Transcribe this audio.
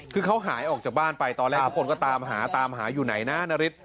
คือเขาหายออกจากบ้านไปตอนแรกทุกคนก็ตามหาตามหาอยู่ไหนนะนาริส